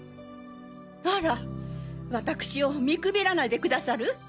あらわたくしを見くびらないでくださる？